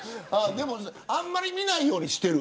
でも、あんまり見ないようにしてる。